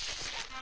あ！